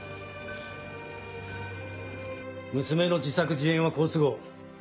娘の自作自演は好都合。